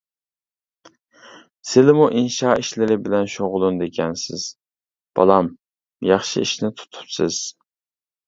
سىلىمۇ ئىنشا ئىشلىرى بىلەن شۇغۇللىنىدىكەنسىز، بالام، ياخشى ئىشنى تۇتۇپسىز.